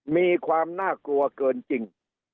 มีความน่ากลัวเกินจริง